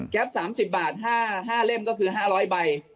๓๐บาท๕เล่มก็คือ๕๐๐ใบ